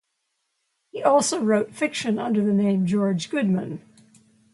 He also wrote fiction under the name "George Goodman".